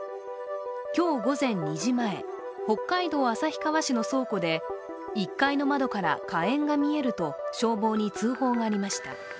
今日午前２時前、北海道旭川市の倉庫で、１階の窓から火炎が見えると消防に通報がありました。